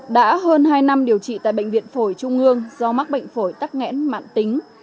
đã hơn hai năm điều trị tại bệnh viện phổi trung ương do mắc bệnh phổi tắc nghẽn mạng tính